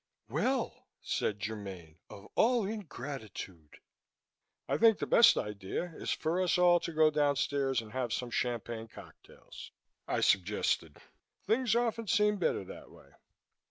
"Well!" said Germaine. "Of all ingratitude!" "I think the best idea is for us all to go downstairs and have some champagne cocktails," I suggested. "Things often seem better that way."